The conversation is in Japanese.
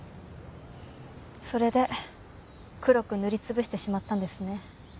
それで黒く塗り潰してしまったんですね。